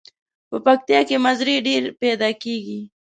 په پکتیا کې مزري ډیر پیداکیږي.